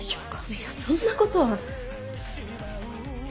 いやそんなことは。